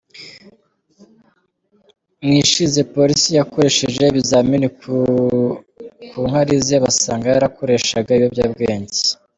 Mu ishize Polisi yakoresheje ibizimini ku ‘inkari’ ze basanga yarakoreshaga ibiyobyabwenge.